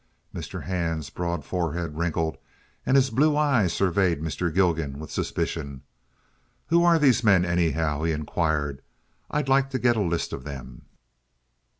Mr. Hand's broad forehead wrinkled, and his blue eyes surveyed Mr. Gilgan with suspicion. "Who are these men, anyhow?" he inquired. "I'd like to get a list of them."